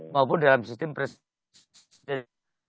maupun dalam sistem presiden